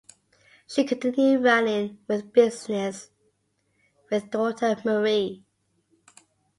She continued running the business with daughter Marie.